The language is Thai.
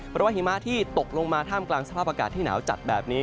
เพราะว่าหิมะที่ตกลงมาท่ามกลางสภาพอากาศที่หนาวจัดแบบนี้